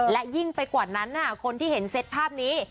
และยิ่งไปกว่านั้นคนที่เห็นเซตภาพนี้